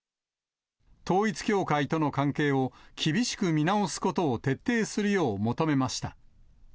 統一教会との関係を厳しく見直すことを徹底するよう求めました。